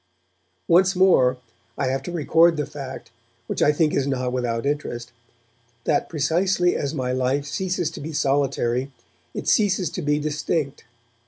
Once more I have to record the fact, which I think is not without interest, that precisely as my life ceases to be solitary, it ceases to be distinct.